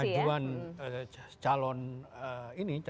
pengajuan calon ini